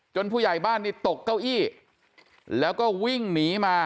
ผู้ใหญ่บ้านนี่ตกเก้าอี้แล้วก็วิ่งหนีมา